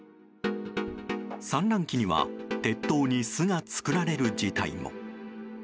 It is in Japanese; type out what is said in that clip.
産卵期には鉄塔に巣が作られる事態も。